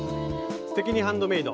「すてきにハンドメイド」